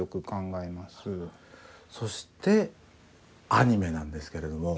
そしてアニメなんですけれども。